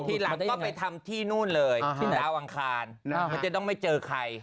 ทีหลังก็ไปทำที่นู่นเลยที่ดาวอังคารมันจะต้องไม่เจอใคร